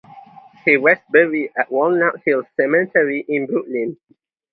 He was buried at Walnut Hills Cemetery in Brookline.